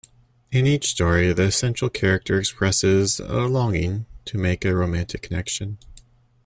In each story, the central character expresses a longing to make a romantic connection.